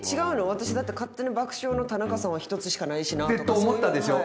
私だって勝手に「爆笑の田中さんは１つしかないしなあ」とか。って思ったでしょ？